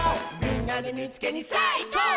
「みんなでみいつけにさあいこう！」